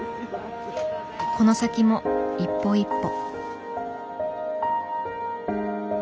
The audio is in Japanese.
この先も一歩一歩。